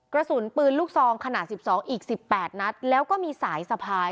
กระสุนปืนลูกซองขนาด๑๒อีก๑๘นัดแล้วก็มีสายสะพาย